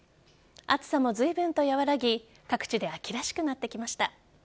暑さもずいぶんと和らぎ各地で秋らしくなってきました。